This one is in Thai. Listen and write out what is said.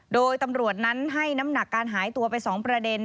โดยตำรวจนั้นให้น้ำหนักการหายตัวไป๒ประเด็น